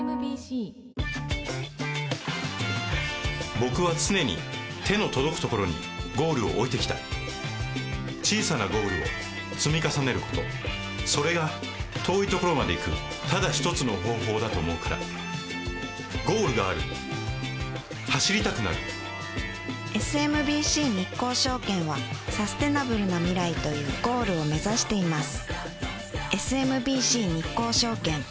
僕は常に手の届くところにゴールを置いてきた小さなゴールを積み重ねることそれが遠いところまで行くただ一つの方法だと思うからゴールがある走りたくなるＳＭＢＣ日興証券はサステナブルな未来というゴールを目指しています